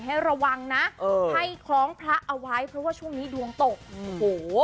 ให้ระวังนะเออให้คล้องพระเอาไว้เพราะว่าช่วงนี้ดวงตกโอ้โห